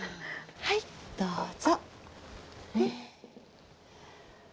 はいどうぞ。